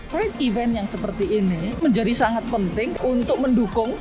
track event yang seperti ini menjadi sangat penting untuk mendukung